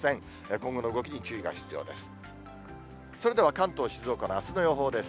今後の動きに注意が必要です。